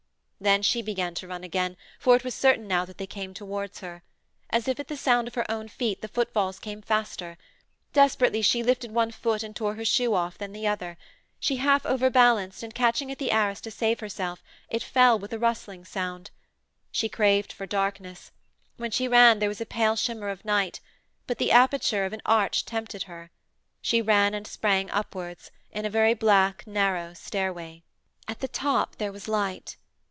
Then she began to run again, for it was certain now that they came towards her. As if at the sound of her own feet the footfalls came faster. Desperately, she lifted one foot and tore her shoe off, then the other. She half overbalanced, and catching at the arras to save herself, it fell with a rustling sound. She craved for darkness; when she ran there was a pale shimmer of night but the aperture of an arch tempted her. She ran and sprang, upwards, in a very black, narrow stairway. At the top there was light!